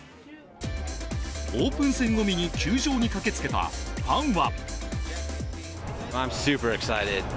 オープン戦を見に球場へ駆けつけたファンは。